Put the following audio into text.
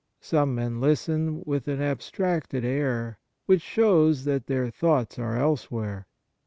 Some men listen with an abstracted air, which shows that their thoughts are elsewhere.